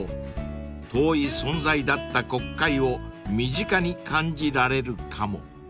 ［遠い存在だった国会を身近に感じられるかも］